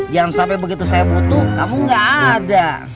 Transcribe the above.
jangan sampai begitu saya butuh kamu nggak ada